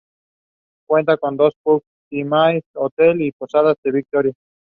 Niccolo worked for many years in the Tomb House at Westminster Abbey.